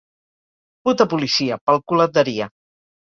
Puta policia, pel cul et daria.